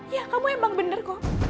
ya kamu emang bener kok